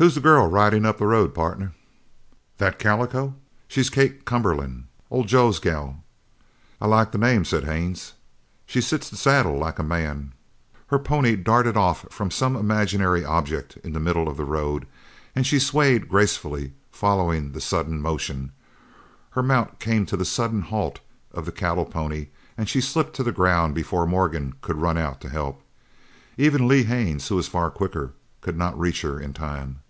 "Who's the girl riding up the road, pardner?" "That calico? She's Kate Cumberland old Joe's gal." "I like the name," said Haines. "She sits the saddle like a man!" Her pony darted off from some imaginary object in the middle of the road, and she swayed gracefully, following the sudden motion. Her mount came to the sudden halt of the cattle pony and she slipped to the ground before Morgan could run out to help. Even Lee Haines, who was far quicker, could not reach her in time.